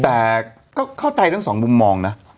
แต่เข้าใจทั้ง๒มุมมองนะ